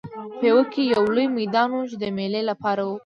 پېوه کې یو لوی میدان و چې د مېلې لپاره و.